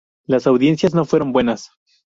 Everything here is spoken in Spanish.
Las audiencias no fueron buenas.